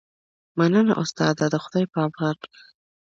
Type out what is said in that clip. مننه استاده د خدای په امان